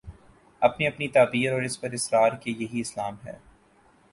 اپنی اپنی تعبیر اور اس پر اصرار کہ یہی اسلام ہے۔